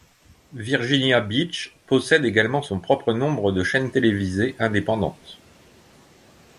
Virginia Beach possède également son propre nombre de chaînes télévisées indépendantes.